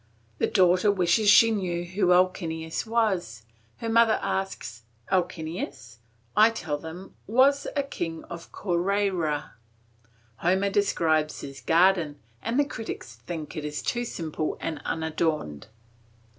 The daughter wishes she knew who Alcinous was; her mother asks. "Alcinous," I tell them, "was a king of Coreyra. Homer describes his garden and the critics think it too simple and unadorned.